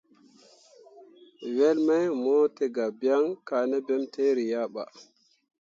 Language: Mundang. Wel mai mo tə ga byaŋ ka ne bentǝǝri ya ɓa.